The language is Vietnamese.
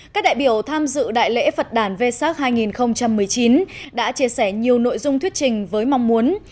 các đại biểu tham dự đại lễ phật đàn v sac hai nghìn một mươi chín đã chia sẻ nhiều nội dung thuyết trình với mong muốn